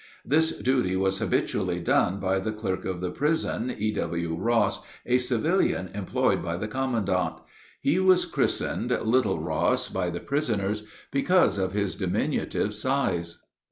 This duty was habitually done by the clerk of the prison, E.W. Ross, a civilian employed by the commandant. He was christened "Little Ross" by the prisoners, because of his diminutive size.